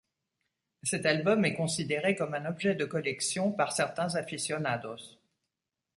Cet album est considéré comme un objet de collection par certains aficionados.